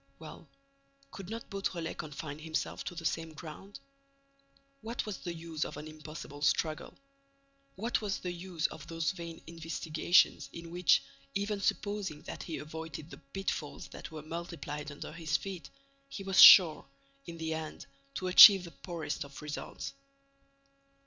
Well, could not Beautrelet confine himself to the same ground? What was the use of an impossible struggle? What was the use of those vain investigations, in which, even supposing that he avoided the pitfalls that were multiplied under his feet, he was sure, in the end, to achieve the poorest of results?